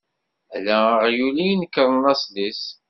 Ala aɣyul i i inekṛen laṣel-is.